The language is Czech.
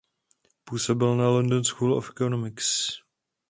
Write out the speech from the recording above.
Působil na London School of Economics.